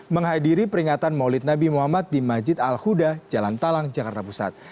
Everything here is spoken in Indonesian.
menghadiri peringatan maulid nabi muhammad di masjid al huda jalan talang jakarta pusat